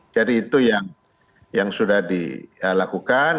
jadi itu yang sudah dilakukan